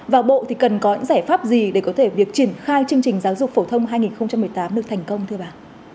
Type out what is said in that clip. và bộ thì cần có những giải pháp gì để có thể việc triển khai chương trình giáo dục phổ thông hai nghìn một mươi tám được thành công thưa bà